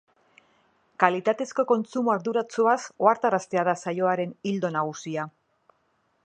Kalitatezko kontsumo arduratsuaz ohartaraztea da saioaren ildo nagusia.